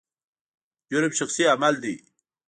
جرم شخصي عمل دی.